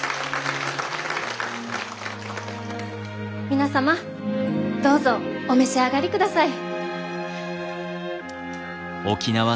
皆様どうぞお召し上がりください。